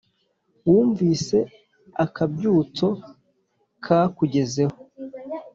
wumvise akabyutso ka kugezeho